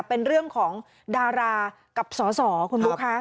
เป็นเรื่องของดารากับสอสอคุณบุ๊คะ